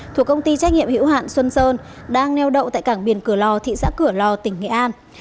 thuộc công ty trách nhiệm hữu hạn xuân sơn đang neo đậu tại cảng biển cửa lò thị xã cửa lò tỉnh nghệ an